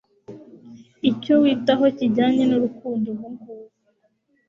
icyo witaho kijyanye nurukundo ubungubu